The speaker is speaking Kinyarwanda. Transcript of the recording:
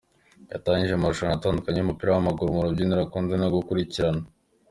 Yatangije amarushanwa atandukanye y’umupira w’amaguru mu rubyiruko akunze no gukurikirana.